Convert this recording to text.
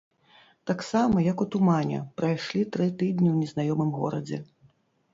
Таксама, як у тумане, прайшлі тры тыдні ў незнаёмым горадзе.